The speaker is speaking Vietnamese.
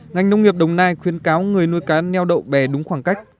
ngành nông nghiệp đồng nai khuyến cáo người nuôi cá neo đậu bè đúng khoảng cách